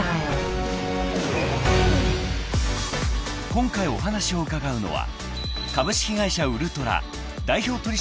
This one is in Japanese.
［今回お話を伺うのは］